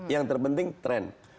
yang terpenting trend